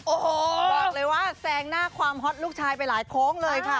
โอ้โหบอกเลยว่าแซงหน้าความฮอตลูกชายไปหลายโค้งเลยค่ะ